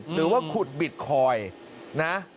หรือว่าขุดบิตคอยน์นะ